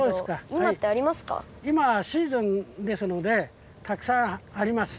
いまはシーズンですのでたくさんあります。